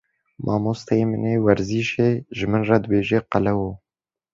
Mamosteyê min ê werzîşê ji min re dibêje qelewo.